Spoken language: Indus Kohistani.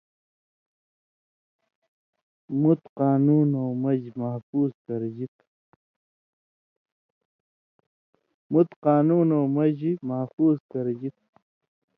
مُت قانُونؤں من٘ژ محفوظ کرژی تھہ۔